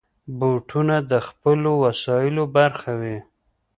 بوټونه د خپلو وسایلو برخه وي.